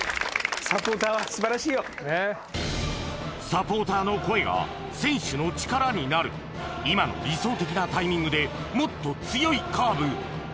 サポーターの声が選手の力になる今の理想的なタイミングでもっと強いカーブ